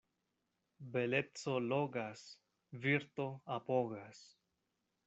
Beleco logas, virto apogas.